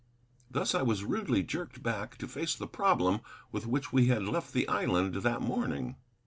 Thus I was rudely jerked back to face the problem with which we had left the island that morning.